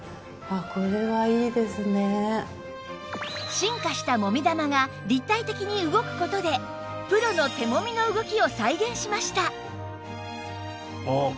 進化したもみ玉が立体的に動く事でプロの手もみの動きを再現しました